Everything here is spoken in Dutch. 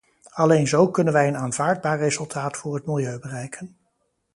Alleen zo kunnen wij een aanvaardbaar resultaat voor het milieu bereiken.